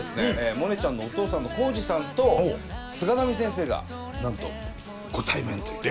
モネちゃんのお父さんの耕治さんと菅波先生がなんとご対面というね。